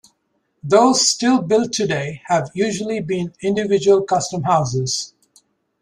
Those still built today have usually been individual custom houses.